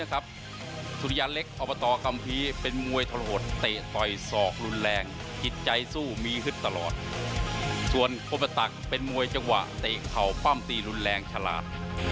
แกชอบใครไปฝังนะครับ